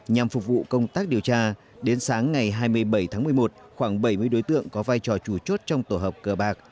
nhằm phục vụ công tác điều tra đến sáng ngày hai mươi bảy tháng một mươi một khoảng bảy mươi đối tượng có vai trò chủ chốt trong tổ hợp cờ bạc